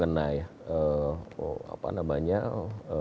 berbicara suatu hal